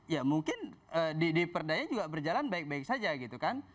ya mungkin di perdanya juga berjalan baik baik saja gitu kan